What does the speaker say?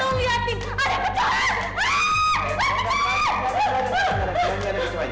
mas lo liatin ada kecoa